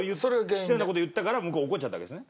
失礼な事言ったから向こう怒っちゃったわけですね。